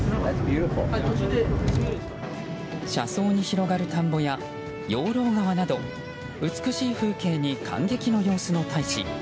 車窓に広がる田んぼや養老川など美しい風景に感激の様子の大使。